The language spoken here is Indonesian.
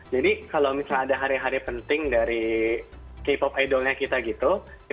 jadi kalau misalnya ada hari hari penting dari k pop idolnya kita gitu